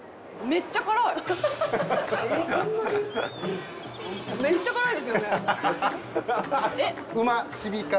めっちゃ辛い！